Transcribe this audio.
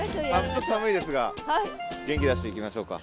ちょっと寒いですが元気出していきましょうか。